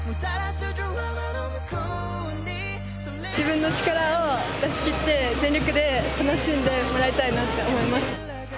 自分の力を出しきって、全力で楽しんでもらいたいなって思います。